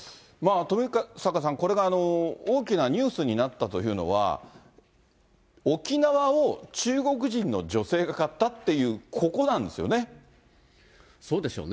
富坂さん、これが大きなニュースになったというのは、沖縄を中国人の女性が買ったという、そうでしょうね。